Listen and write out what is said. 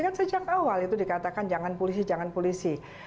kan sejak awal itu dikatakan jangan polisi jangan polisi